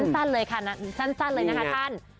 สั้นเลยค่ะสั้นเลยนะคะท่าน